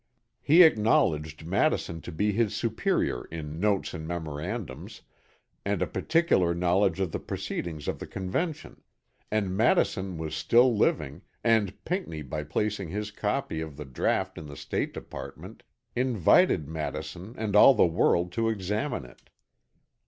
He acknowledged Madison to be his superior in "notes and memorandums" and a particular knowledge of the proceedings of the Convention; and Madison was still living, and Pinckney by placing his copy of the draught in the State Department invited Madison and all the world to examine it.